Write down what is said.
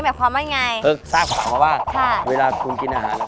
หมายความว่ายังไงเออสร้างความว่าค่ะเวลาคุณกินอาหาร